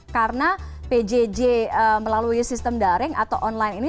karena pjj melalui sistem daring atau online ini